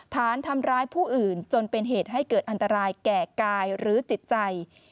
ฐานทำร้ายผู้อื่นจนเป็นเหตุให้เกิดอันตรายแก่กายหรือจิตใจ